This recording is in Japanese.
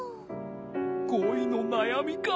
こいのなやみか。